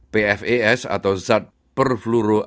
pfas atau zat perfluoroalkylik